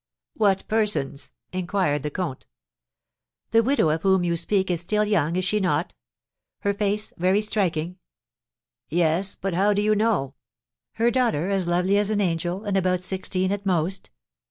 "What persons?" inquired the comte. "The widow of whom you speak is still young, is she not? her face very striking?" "Yes, but how do you know?" "Her daughter, as lovely as an angel, and about sixteen at most?"